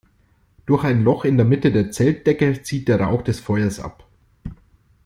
Durch ein Loch in der Mitte der Zeltdecke zieht der Rauch des Feuers ab.